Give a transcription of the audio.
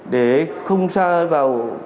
để không xa vào